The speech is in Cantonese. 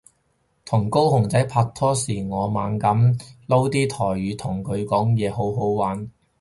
同高雄仔拍拖時我猛噉撈啲台語同佢講嘢好好玩